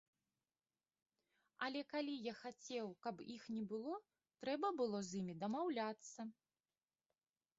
Але калі я хацеў, каб іх не было, трэба было з імі дамаўляцца.